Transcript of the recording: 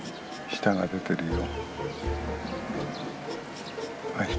舌が出てるよ。